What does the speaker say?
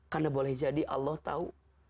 karena boleh jadi allah tahu